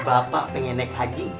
bapak pengen naik haji